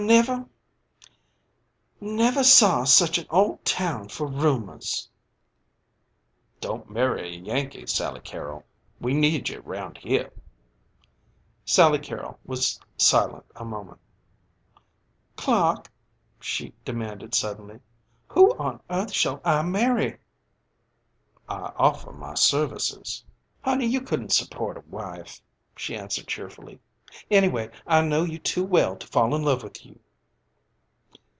"Never saw such an old town for rumors." "Don't marry a Yankee, Sally Carrol. We need you round here." Sally Carrol was silent a moment. "Clark," she demanded suddenly, "who on earth shall I marry?" "I offer my services." "Honey, you couldn't support a wife," she answered cheerfully. "Anyway, I know you too well to fall in love with you."